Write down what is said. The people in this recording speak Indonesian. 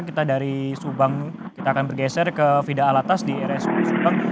kita dari subang kita akan bergeser ke fida alatas di rsud subang